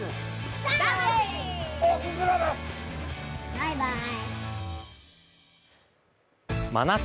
バイバーイ。